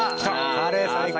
カレー最高！